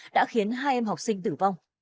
đã khiến hai em học sinh tử vong